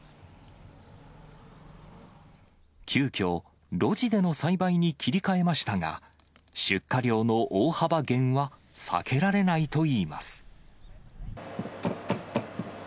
急きょ、露地での栽培に切り替えましたが、出荷量の大幅減は避けられないといいます。